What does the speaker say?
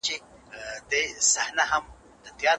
کله چې د غوره زعفرانو نوم اخیستل کېږي.